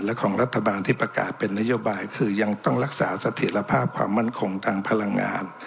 และของรัฐบาลที่ประกาศเป็นนโยบายคือยังต้องรักษาเสถียรภาพความมั่นคงทางพลังงาน